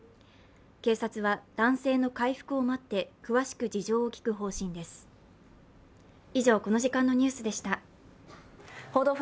警察は男性の回復を待って詳しく事情を聴く方針です。